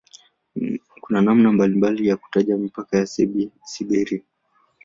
Kuna namna mbalimbali ya kutaja mipaka ya "Siberia".